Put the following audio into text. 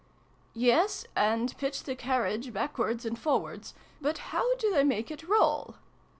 " Yes, and pitch the carriage backwards and forwards : but how do they make it roll